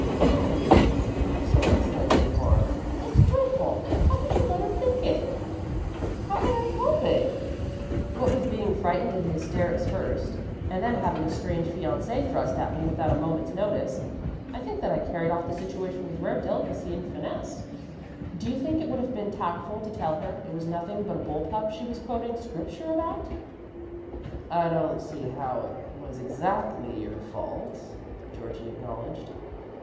"Patty!" Priscilla exclaimed in horror, "it's dreadful. How could you let her think it?" "How could I help it?" Patty demanded indignantly. "What with being frightened into hysterics first, and then having a strange fiancé thrust at me without a moment's notice, I think that I carried off the situation with rare delicacy and finesse. Do you think it would have been tactful to tell her it was nothing but a bull pup she was quoting Scripture about?" "I don't see how it was exactly your fault," Georgie acknowledged.